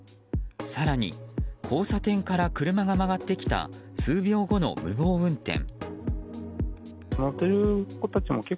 更に交差点から車が曲がってきた数秒後の無謀運転。